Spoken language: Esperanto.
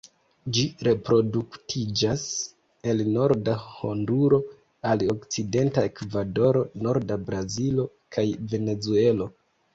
Ĝi reproduktiĝas el norda Honduro al okcidenta Ekvadoro, norda Brazilo kaj Venezuelo.